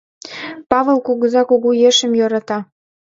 Павыл кугыза кугу ешым йӧрата.